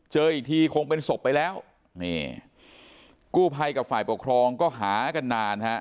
เจออีกทีคงเป็นศพไปแล้วนี่กู้ภัยกับฝ่ายปกครองก็หากันนานฮะ